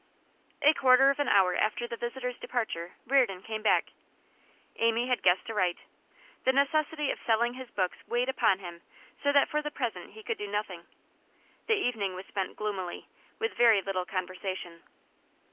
A quarter of an hour after the visitor's departure Reardon came back. Amy had guessed aright; the necessity of selling his books weighed upon him so that for the present he could do nothing. The evening was spent gloomily, with very little conversation.